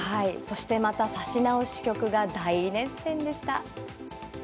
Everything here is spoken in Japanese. そしてまた指し直し局が大熱戦でした。